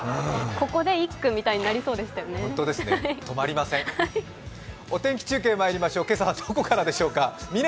ここで一句みたいになりそうでしたね。